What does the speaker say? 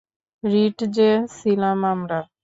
রিটজে ছিলাম আমরা।